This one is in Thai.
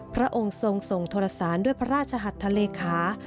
พระองค์ทรงส่งโทรศาลด้วยพระราชหัสทะเลขา